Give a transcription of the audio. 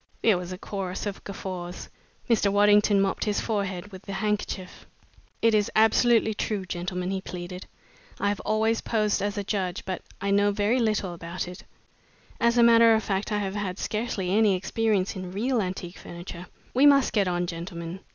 There was a chorus of guffaws. Mr. Waddington mopped his forehead with a handkerchief. "It is absolutely true, gentlemen," he pleaded. "I have always posed as a judge but I know very little about it. As a matter of fact I have had scarcely any experience in real antique furniture. We must get on, gentlemen.